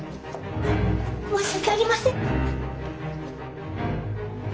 申し訳ありません。